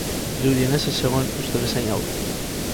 Dirudienez, ez zegoen uste bezain ahul.